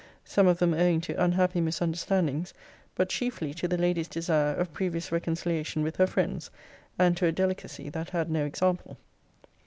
Some of them owing to unhappy misunderstandings: but chiefly to the Lady's desire of previous reconciliation with her friends; and to a delicacy that had no example.'